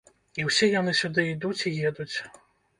І ўсе яны сюды ідуць і едуць.